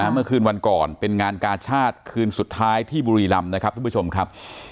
เมื่อคืนวันก่อนเป็นงานกาชาติคืนสุดท้ายที่บุรีรำนะครับทุกผู้ชมครับ